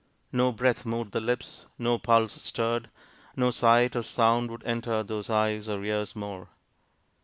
No breath moved the lips, no pulse stirred, no sight or sound would enter those eyes or ears more.